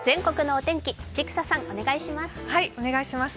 お願いします。